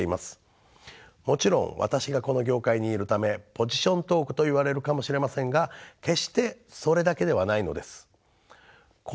もちろん私がこの業界にいるためポジショントークといわれるかもしれませんが決してそれだけではないのです。